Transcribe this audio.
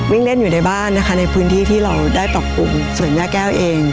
วิ่งเล่นอยู่ในบ้านนะคะในพื้นที่ที่เราได้ปรับปรุงสวนย่าแก้วเอง